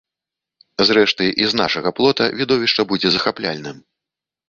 Зрэшты, і з нашага плота відовішча будзе захапляльным.